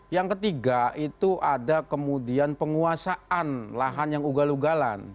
yang ketiga itu ada kemudian penguasaan lahan yang ugal ugalan